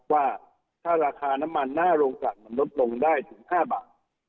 ว่าถ้าราคาน้ำมันหน้าโรงศักดิ์มันลดลงได้ถึง๕บาท